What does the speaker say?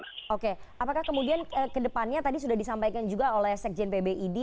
apakah kemudian ke depannya tadi sudah disampaikan juga oleh sekjen pbid